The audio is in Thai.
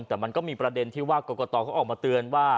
แต่มันก็มีประเด็นที่ว่ากรกตเขาออกมาเตือนว่า